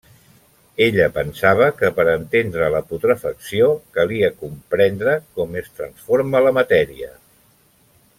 Ella pensava que per a entendre la putrefacció calia comprendre com es transforma la matèria.